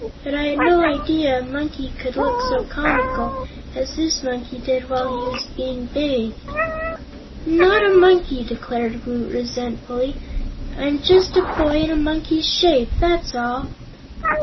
But I had no idea a monkey could look so comical as this monkey did while he was being bathed." "I'm not a monkey!" declared Woot, resentfully; "I'm just a boy in a monkey's shape, that's all."